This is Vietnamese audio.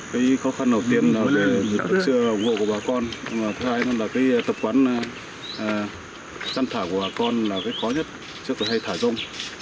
cái khó khăn đầu tiên là việc chữa ủng hộ của bà con thứ hai là tập quán chăn thả của bà con là cái khó nhất trước khi hay thả rông